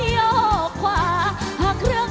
ก็จะมีความสุขมากกว่าทุกคนค่ะ